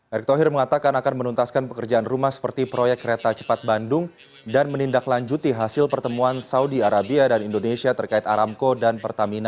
erick thohir mengatakan akan menuntaskan pekerjaan rumah seperti proyek kereta cepat bandung dan menindaklanjuti hasil pertemuan saudi arabia dan indonesia terkait aramco dan pertamina